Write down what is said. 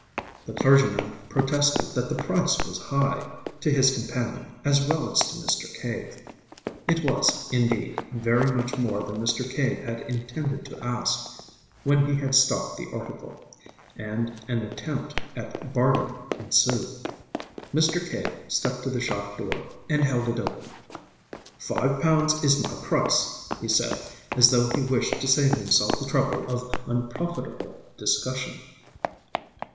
The clergyman protested that the price was high, to his companion as well as to Mr. Cave it was, indeed, very much more than Mr. Cave had intended to ask, when he had stocked the article and an attempt at bargaining ensued. Mr. Cave stepped to the shop door, and held it open. "Five pounds is my price," he said, as though he wished to save himself the trouble of unprofitable discussion.